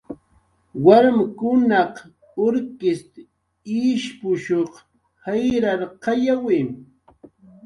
Warmkunaq urkist ishpush jayrarqayawi